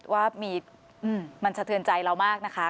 ว่ามันสะเทือนใจเรามากนะคะ